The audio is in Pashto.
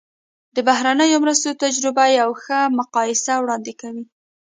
د بهرنیو مرستو تجربه یوه ښه مقایسه وړاندې کوي.